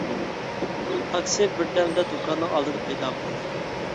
تاكسى بىر دەمدە دۇكاننىڭ ئالدىدا پەيدا بولدى.